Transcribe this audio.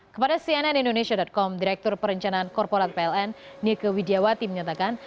kepada cnn indonesia com direktur perencanaan korporat pln nike widjawati menyatakan